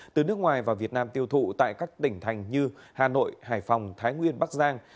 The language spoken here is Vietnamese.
từ nước ngoài vào việt nam tiêu thụ tại các tỉnh thành như hà nội hải phòng thái nguyên bắc giang